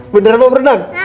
beneran mau berenang